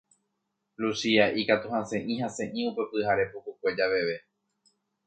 Luchia'i katu hasẽ'i hasẽ'i upe pyhare pukukue javeve.